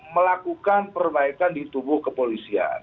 melakukan perbaikan di tubuh kepolisian